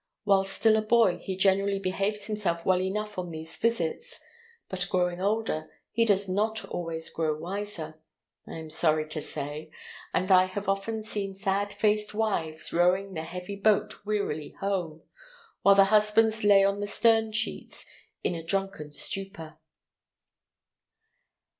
While still a boy he generally behaves himself well enough on these visits, but, growing older, he does not always grow wiser, I am sorry to say, and I have often seen sad faced wives rowing the heavy boat wearily home, while their husbands lay in the stern sheets in a drunken stupor.